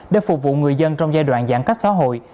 để phục vụ người dân trong giai đoạn giãn cách xã hội